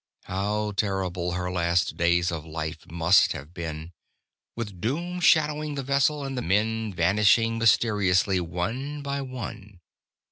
How terrible her last days of life must have been, with doom shadowing the vessel, and the men vanishing mysteriously, one by one!